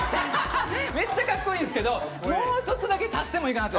めっちゃ格好いいんですけどもうっちょだけ足してもいいかなと。